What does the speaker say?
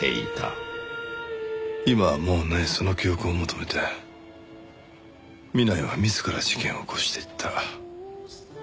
今はもうないその記憶を求めて南井は自ら事件を起こしていった。